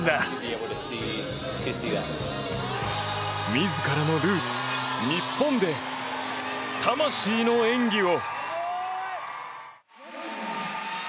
自らのルーツ、日本で魂の演技を！